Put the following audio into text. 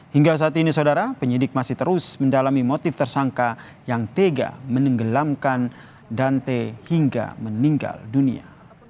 hingga saat ini saudara penyidik masih terus mendalami motif tersangka yang tega menenggelamkan dan t hingga meninggal dunia